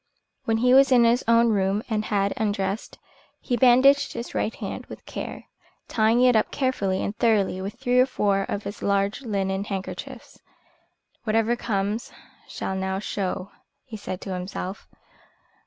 When he was in his own room and had undressed, he bandaged his right hand with care, tying it up carefully and thoroughly with three or four of his large linen handkerchiefs. "Whatever comes, shall now show," he said to himself.